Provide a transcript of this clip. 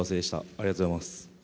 ありがとうございます。